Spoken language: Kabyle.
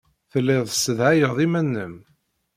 Telliḍ tessedhayeḍ iman-nnem.